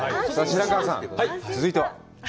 白川さん、続いては？